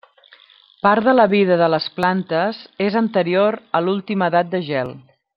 Part de la vida de les plantes és anterior a l'última edat de gel.